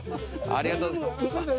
ありがとうございます。